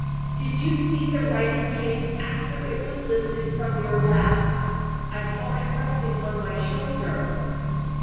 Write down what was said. "Did you see the writing case after it was lifted from your lap?" "I saw it resting on my shoulder."